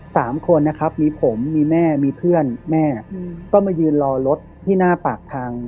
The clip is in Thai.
สามคนนะครับมีผมมีแม่มีเพื่อนแม่อืมก็มายืนรอรถที่หน้าปากทาง